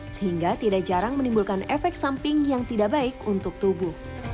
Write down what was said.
sehingga tidak jarang menimbulkan efek samping yang tidak baik untuk tubuh